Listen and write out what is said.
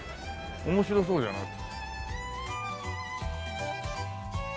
面白そうじゃない。